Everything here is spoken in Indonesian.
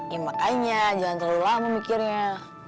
ya makanya jangan terlalu lama mikirnya